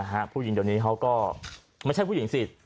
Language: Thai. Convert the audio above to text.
ผู้หญิงเดี๋ยวนี้เขาก็ไม่ใช่ผู้หญิงสิ